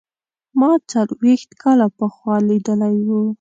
ما څلوېښت کاله پخوا لیدلی و.